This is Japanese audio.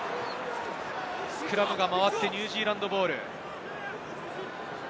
スクラムが回って、ニュージーランドボール。